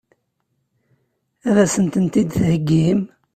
Ad sen-tent-id-theggim?